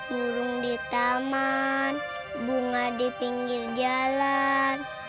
burung di taman bunga di pinggir jalan